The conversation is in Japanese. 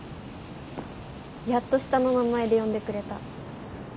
やっと下の名前で呼んでくれた。